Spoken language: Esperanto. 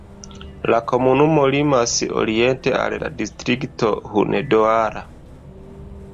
La komunumo limas oriente al distrikto Hunedoara.